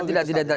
tidak tidak tidak